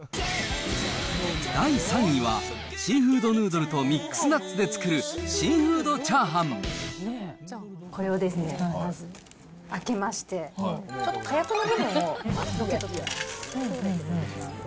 第３位は、シーフードヌードルとミックスナッツで作るシーフードチャーハンこれをですね、まず開けまして、ちょっとかやくの部分をどけときます。